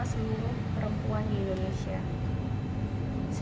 seluruh perempuan di indonesia